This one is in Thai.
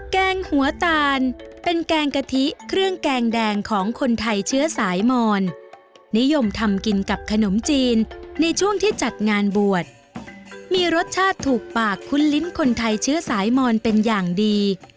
แกงหัวตาลเป็นแกงกะทิเครื่องแกงแดงของคนไทยเชื้อสายมอนนิยมทำกินกับขนมจีนในช่วงที่จัดงานบวชมีรสชาติถูกปากคุ้นลิ้นคนไทยเชื้อสายมอนเป็นอย่างดี